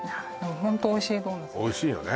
ホントおいしいドーナツおいしいのね？